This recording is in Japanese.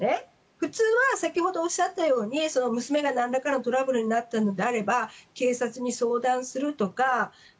普通は先ほどおっしゃったように娘がなんらかのトラブルになったのであれば警察に相談するとか